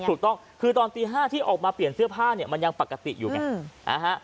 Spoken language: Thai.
ถูกต้องคือตอนตี๕ที่ออกมาเปลี่ยนเสื้อผ้าเนี่ยมันยังปกติอยู่ไงนะฮะ